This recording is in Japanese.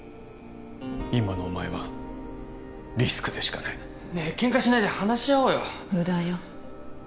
今のお前はリスクでしかないねえケンカしないで話し合おうよムダよ